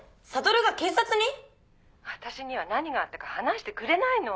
私には何があったか話してくれないの。